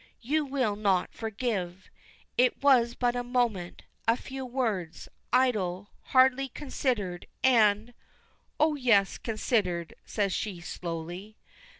"You will not forgive! It was but a moment a few words, idle, hardly considered, and " "Oh, yes, considered," says she slowly.